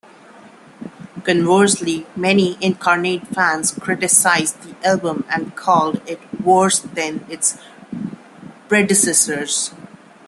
Conversely, many incarnate fans criticized the album and called it worse than its predecessors.